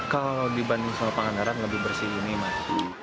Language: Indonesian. kalau dibanding sama pangandaran lebih bersih ini mas